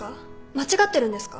間違ってるんですか？